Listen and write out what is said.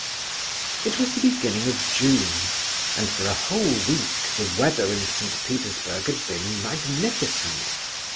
It was the beginning of June, and for a whole week the weather in St. Petersburg had been magnificent.